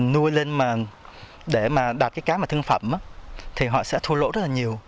nuôi lên để đạt cái cá thương phẩm thì họ sẽ thua lỗ rất là nhiều